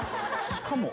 しかも。